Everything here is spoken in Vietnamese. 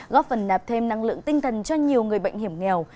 góp phần nạp thêm năng lượng tinh thần cho nhiều người bệnh hiểm nghèo